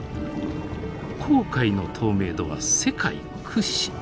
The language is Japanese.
紅海の透明度は世界屈指。